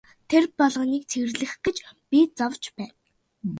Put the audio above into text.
Тэр болгоныг цэвэрлэх гэж би зовж байна.